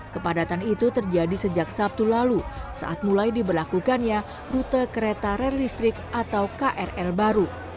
kepadatan itu terjadi sejak sabtu lalu saat mulai diberlakukannya rute kereta relistrik atau krl baru